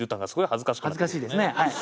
恥ずかしいですねはい。